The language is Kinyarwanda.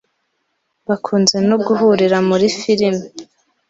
bakunze no guhurira muri film